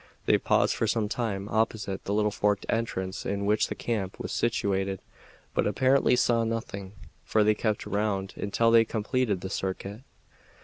They paused for some time opposite the little forked entrance in which the camp was situated, but apparently saw nothing, for they kept round until they completed the circuit.